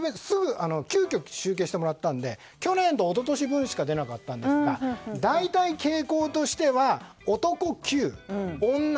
急きょ集計してもらったので去年と一昨年分しか出なかったんですが大体傾向としては男９、女